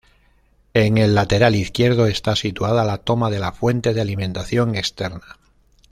En el lateral izquierdo está situada la toma de la fuente de alimentación externa.